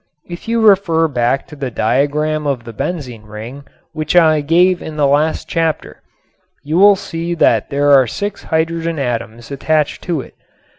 If you refer back to the diagram of the benzene ring which I gave in the last chapter, you will see that there are six hydrogen atoms attached to it.